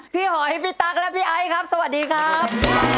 หอยพี่ตั๊กและพี่ไอ้ครับสวัสดีครับ